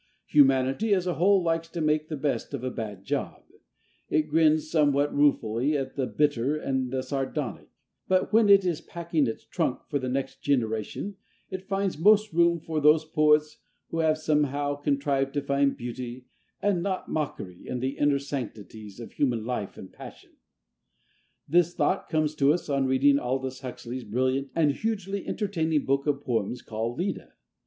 Humanity as a whole likes to make the best of a bad job: it grins somewhat ruefully at the bitter and the sardonic; but when it is packing its trunk for the next generation it finds most room for those poets who have somehow contrived to find beauty and not mockery in the inner sanctities of human life and passion. This thought comes to us on reading Aldous Huxley's brilliant and hugely entertaining book of poems called "Leda."